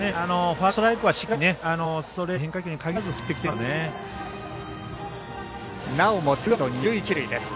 ファーストストライクはしっかりとストレート、変化球に限らず振ってきていますよね。